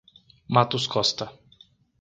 Matos Costa